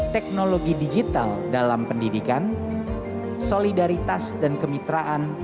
teknologi digital dalam pendidikan solidaritas dan kemitraan